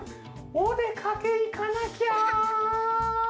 おでかけいかなきゃ！」。